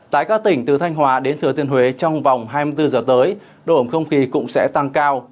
tại các tỉnh từ thanh hóa đến thừa tiên huế trong vòng hai mươi bốn giờ tới độ ẩm không khí cũng sẽ tăng cao